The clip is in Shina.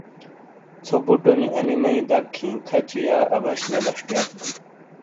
ژھو بُٹو نی انی میئی دَک ہِیں کھچی یا عبش نے دشٹیات۔